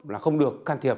các cấp không được can thiệp